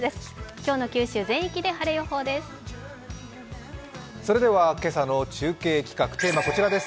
今日の九州全域で晴れ予報です。